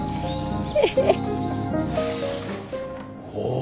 お。